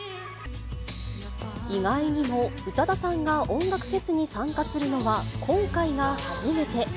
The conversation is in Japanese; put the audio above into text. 意外にも、宇多田さんが音楽フェスに参加するのは今回が初めて。